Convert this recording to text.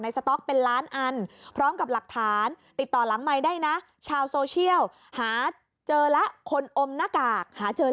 ส่วนสองแค่นี้นะครับ